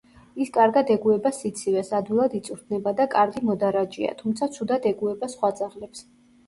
ის კარგად ეგუება სიცივეს, ადვილად იწვრთნება და კარგი მოდარაჯეა, თუმცა ცუდად ეგუება სხვა ძაღლებს.